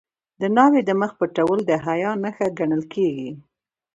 د ناوې د مخ پټول د حیا نښه ګڼل کیږي.